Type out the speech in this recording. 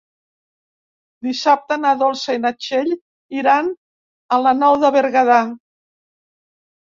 Dissabte na Dolça i na Txell iran a la Nou de Berguedà.